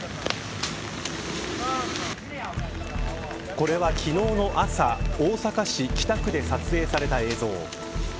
これは昨日の朝大阪市、北区で撮影された映像。